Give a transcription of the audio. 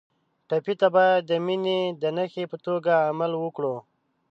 ټپي ته باید د مینې د نښې په توګه عمل وکړو.